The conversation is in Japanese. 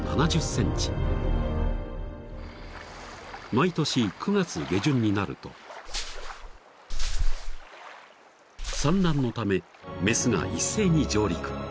［毎年９月下旬になると産卵のため雌が一斉に上陸］